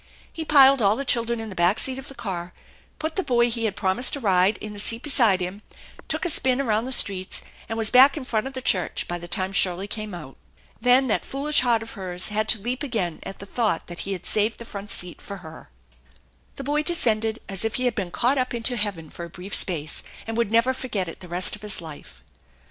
He piled all the children in the back seat of the car, put the boy he had promised a ride in the seat beside him, took a spin around the streets, and was back in front of the church by the time Shirley came out. Then that foolish heart of hers had to leap again at the thought that he had saved the front seat for her. The boy descended as if he had been caught up into heaven for a brief space, and would never forget it the rest of his life.